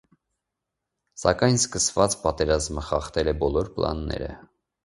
Սակայն սկսված պատերազմը խախտել է բոլոր պլանները։